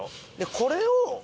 これを。